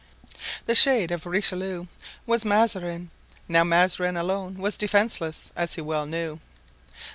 The shade of Richelieu was Mazarin. Now Mazarin was alone and defenceless, as he well knew.